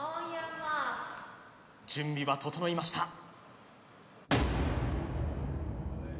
準備は整いました。